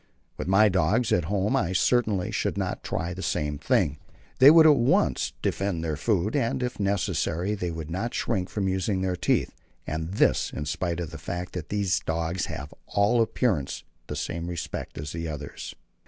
With my dogs at home I certainly should not try the same thing. They would at once defend their food, and, if necessary, they would not shrink from using their teeth; and this in spite of the fact that these dogs have to all appearance the same respect as the others.